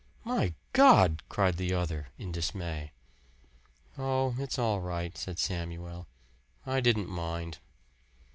"My God!" cried the other in dismay. "Oh, it's all right," said Samuel. "I didn't mind."